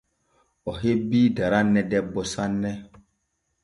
O hebbii daranne debbo sanne.